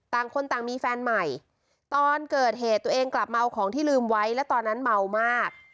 ต่างคนต่างมีแฟนใหม่ตอนเกิดเหตุตัวเองกลับมาเอาของที่ลืมไว้และตอนนั้นเมามาก